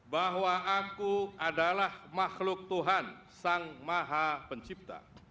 bahwa aku adalah makhluk tuhan sang maha pencipta